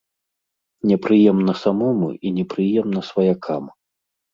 Непрыемна самому і непрыемна сваякам.